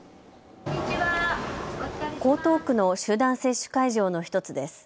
江東区の集団接種会場の１つです。